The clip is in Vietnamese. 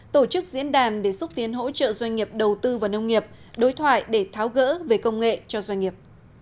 tổ chức diễn đàn để xúc tiến hỗ trợ doanh nghiệp đầu tư vào nông nghiệp đối thoại để tháo gỡ về công nghệ cho doanh nghiệp